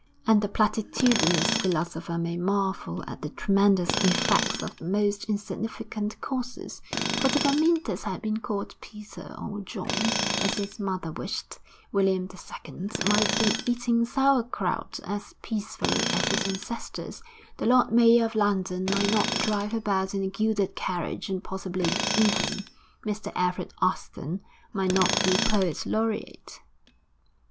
And the platitudinous philosopher may marvel at the tremendous effects of the most insignificant causes, for if Amyntas had been called Peter or John, as his mother wished, William II. might be eating sauerkraut as peacefully as his ancestors, the Lord Mayor of London might not drive about in a gilded carriage, and possibly even Mr Alfred Austin might not be Poet Laureate....